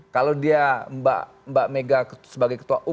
kalau dia mbak mega sebagai ketua umum